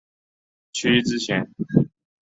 区之前。